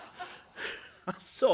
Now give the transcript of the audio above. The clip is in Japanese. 「あっそう。